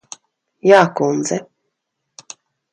Jā, kundze.